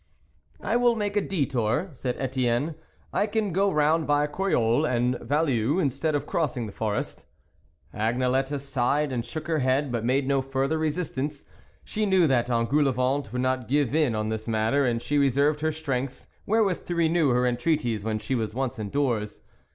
" I will make a detour " said Etienne, " I can go round by Croyolles and Value instead of crossing the forest." Agnelette sighed and shook her head, but made no further resistance ; she knew that Engoulevent would not give in on this matter, and she reserved her strength wherewith to renew her entreaties when she was once indoors.